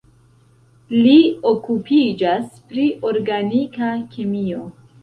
Li okupiĝas pri organika kemio.